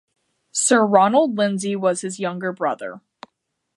Sir Ronald Lindsay was his younger brother.